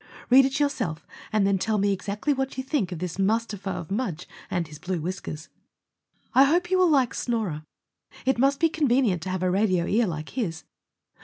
Read it yourself and then tell me exactly what you think of this Mustafa of Mudge and his blue whiskers. I hope you will like Snorer. It must be convenient to have a radio ear like his.